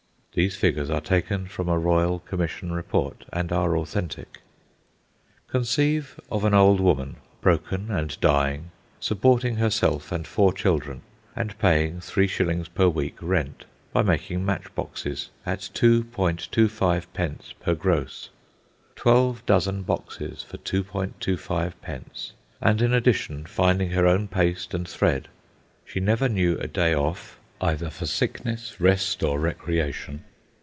These figures are taken from a royal commission report and are authentic. Conceive of an old woman, broken and dying, supporting herself and four children, and paying three shillings per week rent, by making match boxes at 2.25d. per gross. Twelve dozen boxes for 2.25d., and, in addition, finding her own paste and thread! She never knew a day off, either for sickness, rest, or recreation.